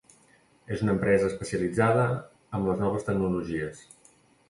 És una empresa especialitzada amb les noves tecnologies.